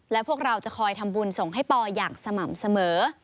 และพวกเราจะคอยทำบุญส่งให้ปออย่างสม่ำเสมอ